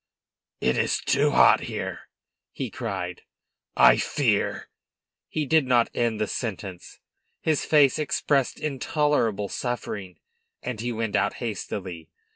"It is too hot here," he cried; "I fear " He did not end the sentence. His face expressed intolerable suffering, and he went out hastily.